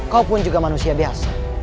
kau pun juga manusia biasa